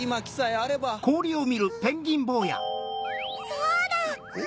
そうだ！